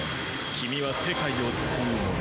君は世界を救う者。